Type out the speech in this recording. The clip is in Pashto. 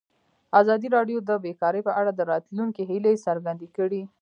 ازادي راډیو د بیکاري په اړه د راتلونکي هیلې څرګندې کړې.